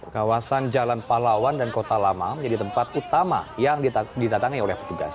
kawasan jalan pahlawan dan kota lama menjadi tempat utama yang didatangi oleh petugas